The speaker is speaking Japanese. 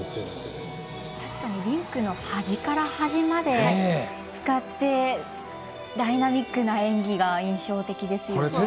確かにリンクの端から端まで使ってダイナミックな演技が印象的ですよね。